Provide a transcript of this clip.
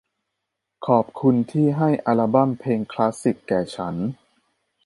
ขอบคุณที่ให้อัลบั้มเพลงคลาสสิคแก่ฉัน